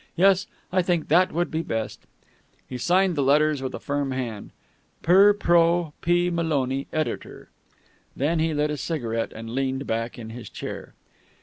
Yes, I think that would be best." He signed the letters with a firm hand, "per pro P. Maloney, editor." Then he lit a cigarette, and leaned back in his chair.